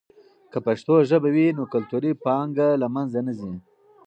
که پښتو ژبه وي، نو کلتوري پانګه له منځه نه ځي.